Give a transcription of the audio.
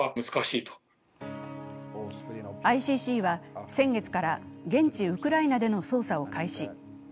ＩＣＣは先月から現地ウクライナでの捜査を開始。